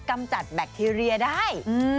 กำจัดแบคทีเรียได้